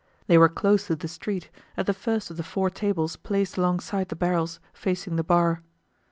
They were close to the street, at the first of the four tables placed alongside the barrels facing the bar.